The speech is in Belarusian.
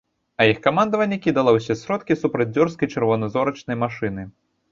А іх камандаванне кідала ўсе сродкі супраць дзёрзкай чырваназорнай машыны.